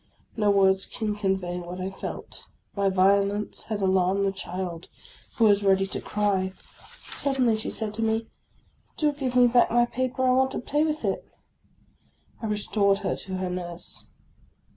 No words can convey what I felt ; my violence had alarmed the child, who was ready to cry. Suddenly she said to me, —" Do give me back my paper ; I want to play with it !" I restored her to her nurse.